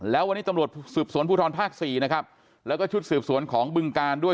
แล้ววันนี้ตำรวจสืบสวนภูทรภาคสี่นะครับแล้วก็ชุดสืบสวนของบึงการด้วย